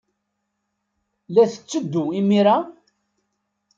La tetteddu imir-a?